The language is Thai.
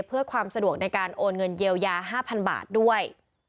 เพื่อความสะดวกในการโอนเงินเยียวยา๕๐๐๐บาทด้วย